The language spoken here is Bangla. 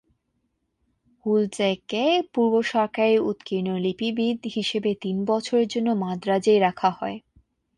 হুলট্জেককে পূর্ব সরকারি উৎকীর্ণ লিপিবিদ হিসেবে তিন বছরের জন্য মাদ্রাজেই রাখা হয়।